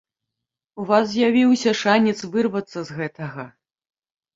У вас з'явіўся шанец вырвацца з гэтага.